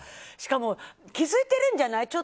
しかも、気づいてるんじゃない？